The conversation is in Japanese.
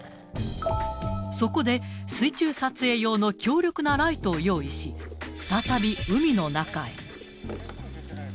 そこで、水中撮影用の強力なライトを用意し、再び海の中へ。